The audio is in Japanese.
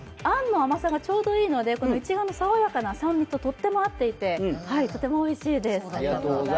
あんの甘さがちょうどいいのでいちごの酸味ととても合っててとてもおいしいです。